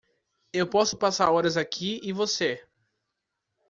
eu posso passar horas aqui e você?